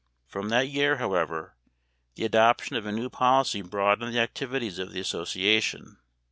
From that year, however, the adoption of a new policy broadened the activities of the association.